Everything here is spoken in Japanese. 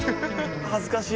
はずかしい。